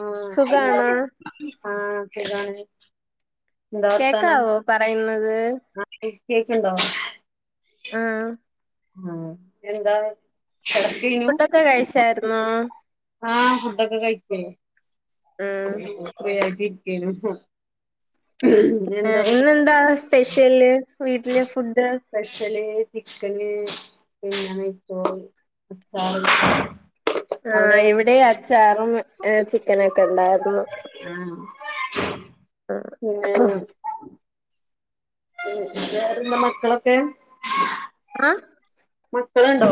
ആഹ് സുഖാണോ ആഹ് സുഖാണ് എന്താ വർത്താനം കേക്കാവോ പറയുന്നത് ആഹ് കേക്ണ്ടോ? ആഹ് ആഹ് എന്താ കെട്കേഞ്ഞു ഫുഡൊക്കെ കഴിച്ചായിരുന്നോ ആഹ് ഫുഡൊക്കെ കഴിച് ഉം വെർതെ ഇര്ക്കേഞു എന്താക്കി പെഷ്യല് വീട്ടിലെ ഫുഡ് സ്പെഷ്യല് ചിക്കന് പിന്നെ നെയ്‌ച്ചോറ് അച്ചാറ് ആഹഹ് അവിടെയോ ഇവിടെ അച്ചാറും ഏഹ് ചിക്കനൊക്കെ ണ്ടായിരുന്നു. പിന്നെന്നു പിന്നെ കേടെ പിന്നെ മക്കളൊക്കെ അഹ് ട്ട്ള്ണ്ടോ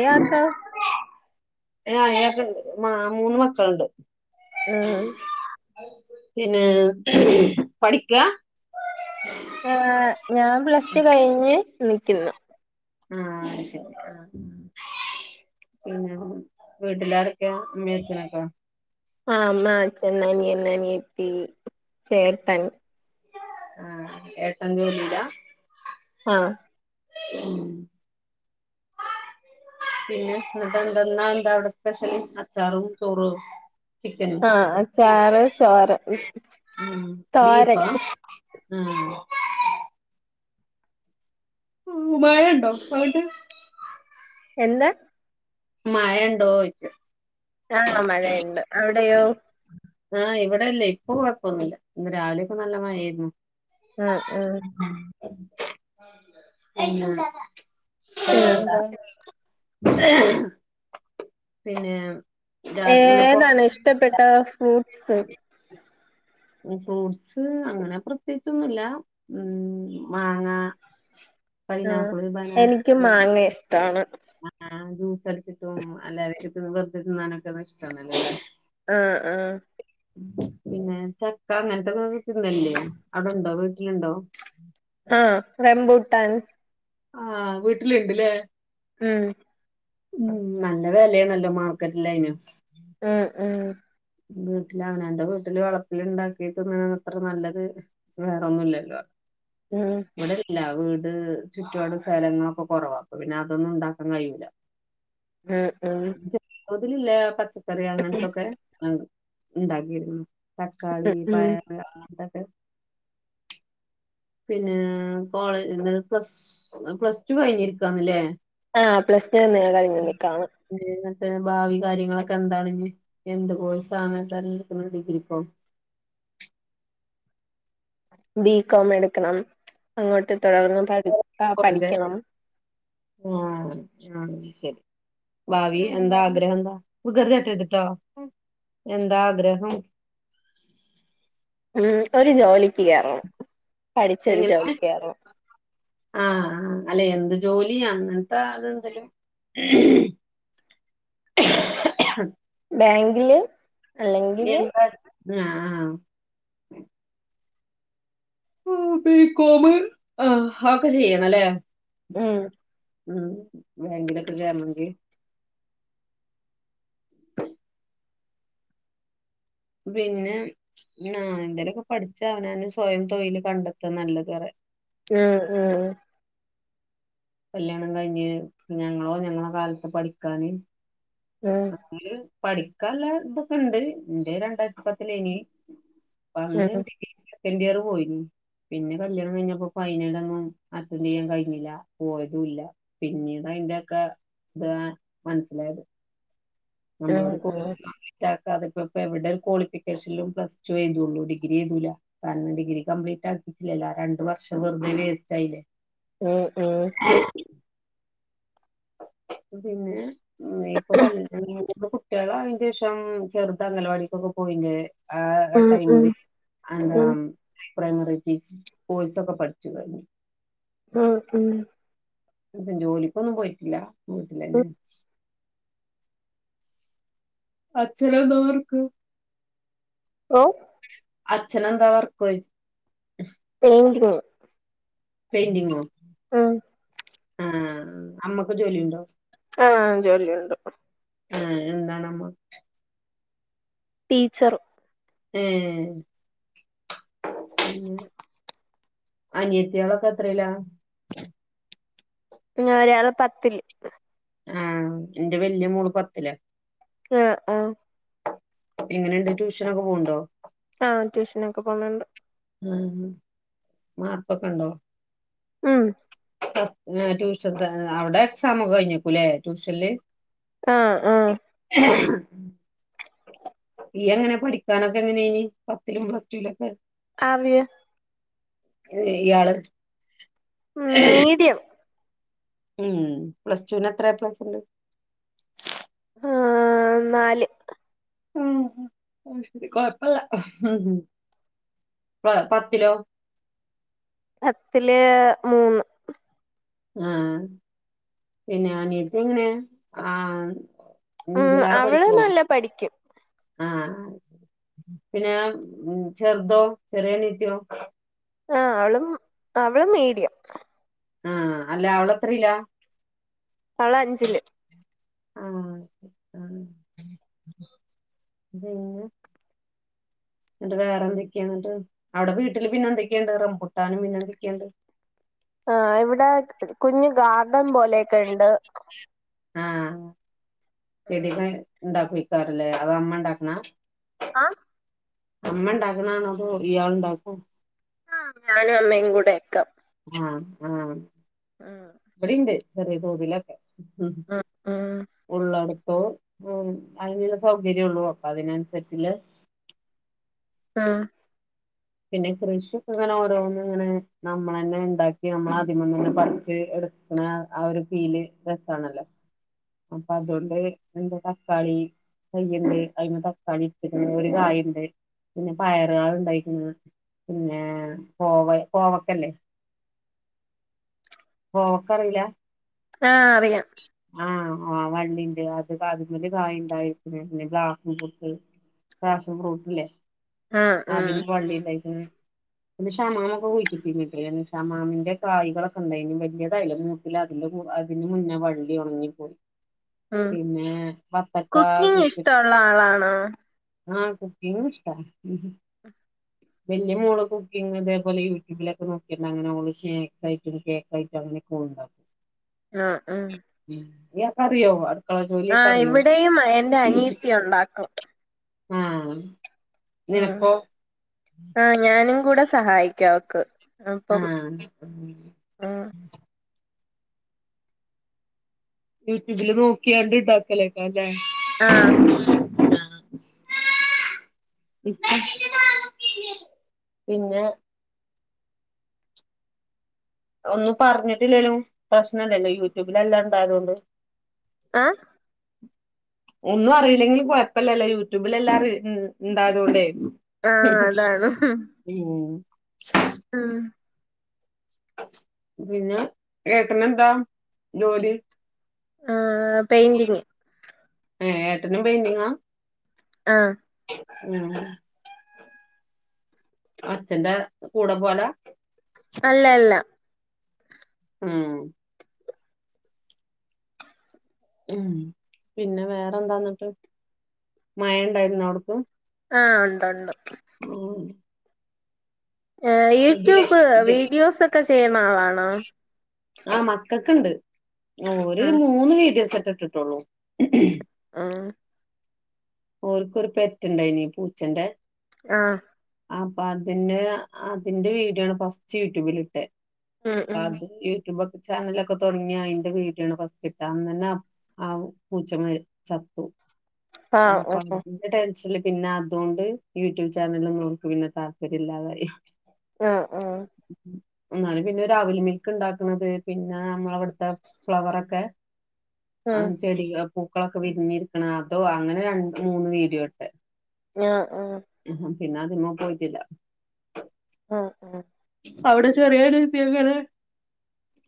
ഇയാക്കോ ഏഹ് അയാക്ണ്ട് മാ മൂന്ന് മക്കള്ണ്ട് ഏഹ് പിന്നെ പഠിക്കാ ഏഹ് ഞാൻ പ്ലസ് ടു കഴിഞ്ഞ് നിക്കുന്നു. ആഹ് ശരി ആഹ് പിന്നെ വീട്ടിലാരൊക്കെയ അമ്മയും അച്ഛനുമൊക്കെ ആഹ് അമ്മ അച്ഛൻ അനിയൻ അനിയത്തി ചേട്ടൻ ആഹ് ഏട്ടൻ ജോലിയിലാ ആഹ് ഉം പിന്നെ എന്നിട്ട് എന്തെന്നാ എന്താവിടെ സ്പെഷ്യല് അച്ചാറും ചോറും ചിക്കനും ആഹ് ചാറ് ചോറ് തോരൻ ബീഫാ ഉം മഴണ്ടോ അവ്ടെ എന്താ മഴണ്ടോയ്ച്ച ആഹ് മഴയിണ്ട് അവിടെയോ ആഹ് ഇവിടെല്ലേ ഇപ്പൊ കുയ്പൊന്നുല്ല ഇന്ന് രാവിലെക്കെ നല്ല മയേരുന്നു ഉം ഉം ഉം പിന്നെന്താ പിന്നെ രാന്ന് പൊർ ഏതാണ് ഇഷ്ടപ്പെട്ട ഫ്രൂട്ട്സ് ഫ്രൂട്ട്സ് അങ്ങനെ പ്രത്യേച്ചൊന്നുല്ല ഉം മാങ്ങ ആ പൈനാപ്പിള് എനിക്ക് മാങ്ങ ഇഷ്ടാണ് ആ ജ്യൂസ് അടിച്ചിട്ടും അല്ലാതെ വെറുതെ തിന്നാനൊക്കെ ഒന്നും ഇഷ്ടന്നല്ല ആ ആ പിന്നെ ചക്ക അങ്ങൻത്തൊക്കെ കിട്ടുന്നല്ലേ അവിടെണ്ടോ വീട്ടിലിണ്ടോ ആഹ് റെംമ്പൂട്ടാൻ ആഹ് വീട്ടിലിണ്ട് ലേ ഉം ഉം നല്ല വെലേണല്ലോ മാർക്കറ്റ്ലയ്ന് ഉം ഉം വീട്ട്ലവനാന്റെ വീട്ടില് വളപ്പിൽ ഇണ്ടാക്കി തിന്ന്ണ അത്ര നല്ലത് വേറൊന്നുല്ലല്ലോ ഉം ഇവടെല്ല വീട് ചുറ്റുപാടും സ്ഥലങ്ങളൊക്കെ കൊറവാ അപ്പ പിന്നെ അതൊന്നും ഇണ്ടാക്കാൻ കയ്യൂല ഉം ഉം അതിലില്ലെ പച്ചക്കറി അങ്ങൻത്തൊക്കെ ഇണ്ടാക്കിരുന്നു തക്കാളി ഉം പയറ് അങ്ങൻതൊക്കെ പിന്നെ കോളേജ് പ്ലസ് പ്ലസ് ടു കഴിഞ്ഞിരിക്കാണ് ല്ലേ ആഹ് പ്ലസ് നേന്ന് ഞാൻ കഴിഞ്ഞു നിക്കാണ് പിന്നെ എന്നിട്ട് ഭാവി കാര്യങ്ങളൊക്കെ എന്താണ് ഇഞ്ഞ് എന്ത് കോഴസാണ് തിരഞ്ഞെടുക്കുന്ന ഡിഗ്രിക്കോ ബി കോോം എടുക്കണം അങ്ങോട്ട് തുടർന്ന് പഠി ആ വെറുതെ പഠിക്കണം ആഹ് ആ ശരി ഭാവി എന്താ ആഗ്രഹെന്താ എന്താ ആഗ്രഹം ഉം ഒരു ജോലിക്ക് കേർണം പഠിച്ചൊരു ജോലിക്ക് കേർണം ആ ആ അല്ലെ എന്ത് ജോലിയാ അങ്ങൻത്ത അതെന്തേലും ബാങ്കില് അല്ലെങ്കില് എന്താ ആ ആ ആ ബി. കോമ് ആ ഒക്ചെ ചെയ്യണലേ ഉം ഉം ബാങ്കിലൊക്കൊ കേർണങ്കി പിന്നെ ആ എന്തേലൊക്കെ പഠിച്ച് അവനാന് സ്വയം തൊഴില് കണ്ടെത്താ നല്ലതറ്യ ഉം ഉം കല്യാണം കഴിഞ്ഞ് ഞങ്ങളോ ഞങ്ങള കാൽത്ത് പഠിക്കാന് ഏ പഠിക്കാല്ലതൊക്കെണ്ട് ഇന്റെ രണ്ടായിര്ത്തി പത്തിലേനി വന്ന് ഉം ഡിഗ്രി സെക്കൻ് ഇയർ പോയിന് പിന്നെ കല്യാണം കഴിഞ്ഞപ്പോ ഫൈനലൊന്നും അറ്റൻ്റ് ചെയ്യാൻ കഴിഞ്ഞില്ലാ പോയതൂല്ലാ പിന്നീട് അയിന്റെക്കെ ഇത് മനസ്സിലായത് ഉം നമ്മളോട് [unintelligible] അതിപ്പപ്പോ എവിടെ ക്വാളിഫിക്കേഷനിലും പ്ലസ് ടു എഴുതോളൂ ഡിഗ്രി എഴുതൂല്ലാ കാരണം ഡിഗ്രി കംപ്ലീറ്റ് ആക്ക രണ്ട് വർഷം വെറുതെ വേസ്റ്റായില്ലേ ഉം ഉം പിന്നെ ഇപ്പൊ കല്യാണം കുട്ടികളായതിനു ശേഷം ചെറുത് അംഗനവാടീലൊക്കെ പോയി ഉം ആ ഉം ഉം ടൈമില് ഉം [unintelligible] പ്രൈമറിറ്റീസ് കോഴ്സൊക്കെ പഠിച്ചു കഴിഞ്ഞു മം മം ഇപ്പം ജോലിക്കൊന്നും പോയിട്ടില്ലാ വീട്ടിലന്നെ ഉം അച്ഛനെന്താ വർക്ക് ഓ അച്ഛനെന്താ വർക്ക് ചോയിച്ച് പെയിംൻ്റിംങ്ങ് പെയിൻ്റിങ്ങോ ഉം ആ അമ്മക്ക് ജോലി ഉണ്ടോ ആ ജോലിയുണ്ട് ആ എന്താണമ്മ ടീച്ചർ ഉം അനിയത്തികളൊക്കെ എത്രേലാ ഒരാള് പത്തില് ആ എന്റെ വല്യ മോള് പത്തിലാ ആ ആ എങ്ങനുണ്ട് ട്യൂഷനൊക്കെ പോണുണ്ടോ ആ ട്യൂഷനൊക്കെ പോണണ്ട് ആ മാർക്കൊക്കെ ഉണ്ടോ ഉം ട്യൂഷൻസ് അവിടെ എക്സാം ഒക്കെ കഴിഞ്ഞേക്കൂല്ലേ ട്യൂഷനില് ആ ആ ഇയ്യെങ്ങനെ പഠിക്കാനൊക്കെ എങ്ങനെയ്നിനിം പത്തിലും പ്ലസ്‌ ടു ലൊ ക്കെ? ആ വി ഏ ഇയാൾ മം മീഡിയം മം പ്ലസ് ടുന്ന് എത്ര എ പ്ലസ്‌ ഇണ്ട്. ആന്നാല് മം അത്ശേരി കൊയപ്പല്ല പ പത്തിലോ പത്തില് മൂന്ന് ആ പിന്നെ അനിയത്തി എങ്ങനെ ആ ഉം നിൻറ്റിലാരെ അവള് പഠിക്കോ? നല്ല പഠിക്കും ആ പിന്നെ ആ ചെറുതോ ചെറിയ അനിയത്തിയോ? ആഹ അവളും അവളും മീഡിയം. ആ അല്ല അവളെത്രീല? അവൾ അഞ്ചില്. ആ ആ പിന്നെ എന്നിട്ട് വേറെ എന്തെക്കയാ എന്നിട്ട് അവിടെ വീട്ടില് പിന്നെ എന്തെക്കെ ഇണ്ട് റമ്പൂട്ടാനും പിന്നെ എന്തൊക്കെയുണ്ട് [inaudible] ആ ഇവിടെ കുഞ്ഞ് ഗാർഡൻ പോലെയൊക്കെ ഉണ്ട്. ആഹ് ചെടികൾ ഇണ്ടാക്കി വിക്കാറില്ലേ അത് അമ്മ ഉണ്ടാക്കണതാ ആഹ് അമ്മ ഇണ്ടാക്കണതാണോ അതോ ഇയാള് ഉണ്ടാക്കുവോ ആ ഞാനും അമ്മയും കൂടെയൊക്ക. ആഹ് ആഹ് ആഹ് ഇവിടെയുണ്ട് ചെറിയ തോതിലൊക്കെ ഉം ഉം ഉള്ളട ത്ത് ഉം അതിനുള്ള സൗകര്യവേയുള്ളു അപ്പൊ അതിനനുസരിച്ചുള്ള ആഹ് പിന്നെ കൃഷിയൊക്കെ ഇങ്ങനെ ഓരോന്ന് ഇങ്ങനെ നമ്മള് തന്നെ ഇണ്ടാക്കി നമ്മളാദ്യം വന്ന് പറിച്ച് കിട്ടണ ആ ഒരു ഫീല് രസാണല്ലോ? അപ്പൊ അതുകൊണ്ട് എന്താ തക്കാളി തയ്യിണ്ട് അതിന് തക്കാളി എടുത്തേക്കണ് ഒരു കായിണ്ട് പിന്നെ പയറ് ഉണ്ടായേക്കണ് പിന്നെ കോവ കോവക്കയില്ലേ കോവക്ക അറിയില്ല ആഹ് അറിയാം ആഹ് ആഹ് വള്ളിണ്ട് അത് അതിന്മേൽ കായിഇണ്ടായിക്ക്ണ് ഇനി പ്രാസംപ്രുട്ട് പാസം ഫ്രൂട്ട്ല്ലേ ആഹ് ആഹ് അതിന്റെ വള്ളിണ്ടായ്ക്ക്ണ് പിന്നെ ഷമാമൊക്കെ കുയിച്ചിട്ടീനി [unintelligible] ഷമാമിന്റെ കായികളൊക്കെ ഇണ്ടായിനിം വല്യതായീല മൂത്തില അതിന്റ കൂ അതിന്റെ മുന്നേ വള്ളി ഒണങ്ങിപ്പോയി ആഹ് പിന്നെ വത്തക്കാ കുക്കിംഗ് കുഴിച് ഇഷ്ടമുള്ള ആളാണോ ആഹ് കുക്കിംഗും ഇഷ്ടാ വല്ല്യ മോള് കുക്കിംഗ്‌ ഇതേ പോലെ യൂട്യുബിലൊക്കെ നോക്കിയെന്നെ അങ്ങനെ ഓൾ സ്നാക്സ് ആയിറ്റും കേക്ക് ആയിറ്റു അങ്ങനൊക്കെഓള്ണ്ടാക്കും ആ ആഹ് [unintelligible] അറിയോ അടുക്കള ജോലിയൊക്കെ ആഹ് അറിയോ? ഇവിടെയും എന്റെ അനിയത്തി ഉണ്ടാക്കും ആഹ് ആഹ് നിനക്കോ ആ ഞാനും കൂടെ സഹായിക്കാ അവക്ക് അപ്പം ആഹ് ഉം. ഉം യൂട്യൂബില് നോക്കിയാണ്ട് ഇണ്ടാക്കലയ്ക്കരലെ. ആഹ് ആഹ് ഇപ്പം പിന്നെ ഒന്നും പറഞ്ഞിട്ടില്ലേലും പ്രശ്നല്ലല്ലോ യൂട്യൂബിലെല്ലാണ്ടായതോണ്ട് ഏ ഒന്നും അറിയില്ലെങ്കി കൊഴ്പല്ലല്ലോ യൂട്യൂബില് എല്ലാർ ഉം ണ്ടാകൊണ്ടേ ആഹ് അതാണ് ഉം ഉം. പിന്നെ ഏട്ടനെന്താ ജോലി ആ പെയിന്റിങ് ഏ ഏട്ടനും പോയ്ൻ്റിങ്ങാ ആഹ് ഉമ് ഉമ് അച്ഛന്റെ കൂടെ പോലാ അല്ല ല്ല ഉമ് മ്ഹ് പിന്നെ വേറെന്താ ന്ന്ട്ട് മഴണ്ടായിരുന്നൊ അവട് ക്ക് ആഹ് ഒണ്ട് ഒണ്ട് [unintelligible] ഏ ഇതില് യൂട്യൂബ് ഇത് വീഡിയോസൊക്കെ ചെയ്യ്ണ ആളാണോ ഒരു ആഹ് മൂന്ന് വീഡിയോസെറ്റെ ഇട്ടിട്ടൊള്ളൂ ആ ഓർക്ക് ഒരു പെറ്റ് ണ്ടായിനീ പൂച്ചന്റെ ആ അപ്പ അതിനെ അതിന്റെ വീഡിയോ ആണ് ഫസ്റ്റ് യൂട്യൂബിലിട്ടെ ഉം അപ്പ ഉം അത് ചാനലൊക്കെ തൊടങ്ങിയ അയിന്റെ വീഡിയോണ് ഫസ്റ്റ് ഇട്ടാ അന്നെനെ ആ പൂച്ചമരി ചത്തു ആഹ് അപ്പ ഉം അയിൻ്റെ ടെൻ ടെൻഷല് പിന്നെ അതോണ്ട് യൂട്യൂബ് ചാനലൊന്നും നമുക്ക് പിന്നെ താല്പര്യം ഇല്ലാതായി ആ ആ ന്നാലും പിന്നെ ഒരവ്ൽമിൽക് ഇണ്ടക്ണത് പിന്നേ അമ്മളെ വട്ത്തെ ഫ്ലവറൊകെ ആ ഉം ചെടി പൂക്കളൊക്കെ വിരിഞ്ഞിരിക്ക്ണ അതും അങ്ങനെ രണ്ട് മൂന്ന് വീഡിയോട്ടെ ആ ആ പിന്നെ അതിമ്മേ പോയിട്ടില്ല ആ ആ അവിടെ ചെറിയനിയതിക് ങ്ങനെ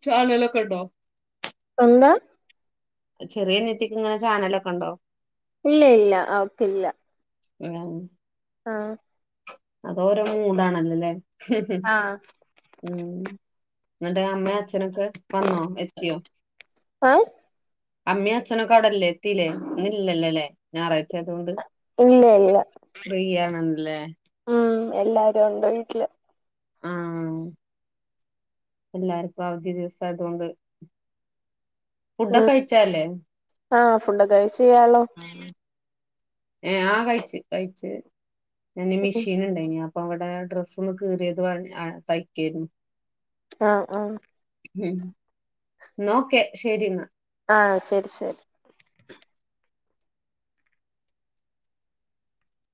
ചാനലൊക്കെ ഉണ്ടോ എന്താ ചെറിയനയത്തിക്ക് ഇങ്ങനെ ചാനലൊക്കെണ്ടോ ഇല്ല ഇല്ല അവക്ക് ഇല്ല ആ ആ അതോരോ മൂടാണല്ലൊല്ലേ ആ മ്മ് ന്നട്ട് അമ്മേം അച്ഛനൊക്കെ വന്നോ എത്തിയോ ഏ അമ്മീം അച്ഛനൊക്കെ അവടല്ലേ എത്തീല്ലേ ഇന്ന്ല്ലല്ലോല്ലേ ഞാറായ്ചായതോണ്ട് ഇല്ല ഫ്രീയാണല്ലേ മ്മ് എല്ലാരൊണ്ട് വീട്ടില് ആ എല്ലാർക്കും അവധി ദിവസായതോണ്ട് ഫുഡൊക്കെ കഴിച്ചല്ലേ ഫുഡൊകെ കയിച് ഇയാളൊ ഏ ആ കഴിച്ച് കഴിച്ച് ഞാന് ഉം മെഷീൻ ഇണ്ടായീനി അപ് പ്പം ഇവടെ ഡ്രസ്സൊന്ന് കീറിയത് [unintelligible] ആഹ് തയ്ക്ക്യേര്ന്നു ആഹ് ആഹ് ഉം ന്നാഓക്കെ ശെരിന്നാ ആഹ് ശരി ശരി